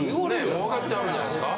もう分かってはるんじゃないですか？